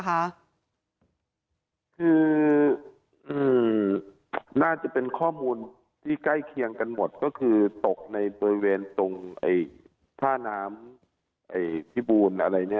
คือน่าจะเป็นข้อมูลที่ใกล้เคียงกันหมดก็คือตกในบริเวณตรงผ้าน้ำสะพานพี่บูร์๑